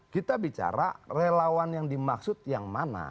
kita bicara relawan yang dimaksud yang mana